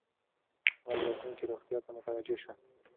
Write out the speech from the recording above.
هغه د راتلونکې روغتیا ته متوجه شو.